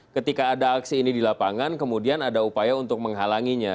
ketika ada aksi ini di lapangan kemudian ada upaya untuk menghalanginya